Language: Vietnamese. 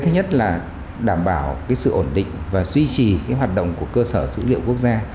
thứ nhất là đảm bảo sự ổn định và duy trì hoạt động của cơ sở dữ liệu quốc gia